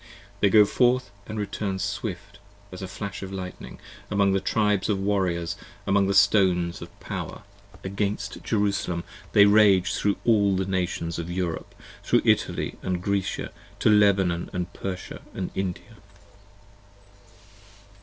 They go forth & return swift as a flash of lightning, 45 Among the tribes of warriors, among the Stones of power: Against Jerusalem they rage thro* all the Nations of Europe, Thro" Italy & Grecia, to Lebanon & Persia & India.